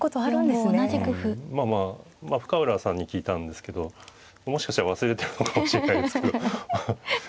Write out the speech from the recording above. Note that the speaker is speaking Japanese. うんまあまあ深浦さんに聞いたんですけどもしかしたら忘れてるのかもしれないですけど。